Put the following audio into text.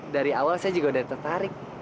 dari awal saya juga udah tertarik